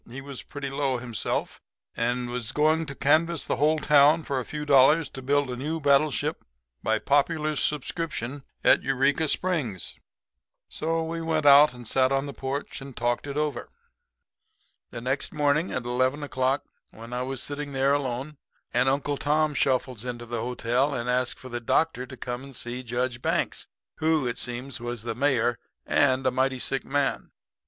He was pretty low himself, and was going to canvass the whole town for a few dollars to build a new battleship by popular subscription at Eureka Springs. So we went out and sat on the porch and talked it over. "The next morning at eleven o'clock when I was sitting there alone, an Uncle Tom shuffles into the hotel and asked for the doctor to come and see Judge Banks, who, it seems, was the mayor and a mighty sick man.